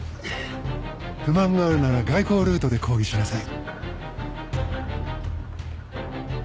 不満があるなら外交ルートで抗議しなさい。